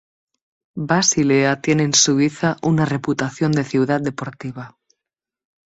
Basilea tiene en Suiza una reputación de ciudad deportiva.